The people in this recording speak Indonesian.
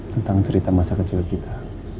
tentang cerita masa kecil kita